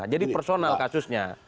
jadi personal kasusnya